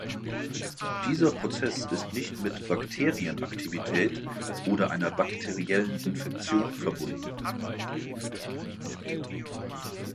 Dieser Prozess ist nicht mit Bakterienaktivität oder einer bakteriellen Infektion verbunden.